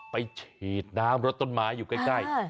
ฉีดน้ำรถต้นไม้อยู่ใกล้